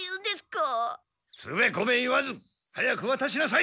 つべこべ言わず早くわたしなさい！